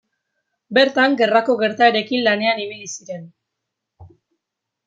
Bertan, gerrako gertaerekin lanean ibili ziren.